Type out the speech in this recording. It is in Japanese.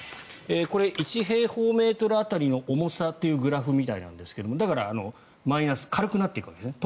これは１平方メートル当たりの重さのグラフみたいですがだから、マイナス軽くなっていくわけですね。